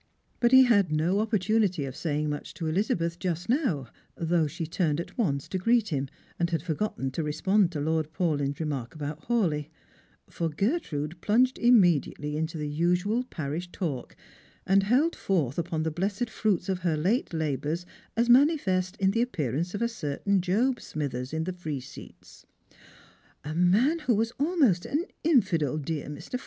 But he had no opportunity of saying much to Elizabeth just now, though she had turned at once to greet him, and had forgotten to respond to Lord Paulyn's re mark about Hawleigh ; for Gertrude plunged immediately into the usual parish talk, and held foi'th upon the blessed fruits of her late labours as manifest in the appearance of a certain Job Smithers in the free seats :" A man who was almost an infidel, dear j\lr.